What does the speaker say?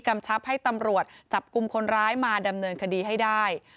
ชับให้ตำรวจจับกลุ่มคนร้ายมาดำเนินคดีให้ได้